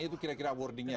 itu kira kira wordingnya